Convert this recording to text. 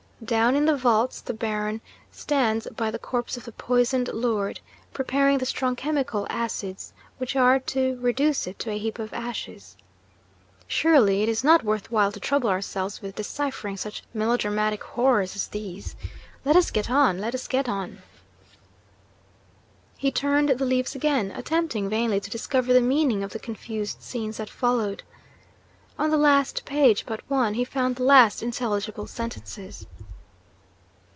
Down in the vaults, the Baron stands by the corpse of the poisoned lord, preparing the strong chemical acids which are to reduce it to a heap of ashes Surely, it is not worth while to trouble ourselves with deciphering such melodramatic horrors as these? Let us get on! let us get on!' He turned the leaves again; attempting vainly to discover the meaning of the confused scenes that followed. On the last page but one, he found the last intelligible sentences.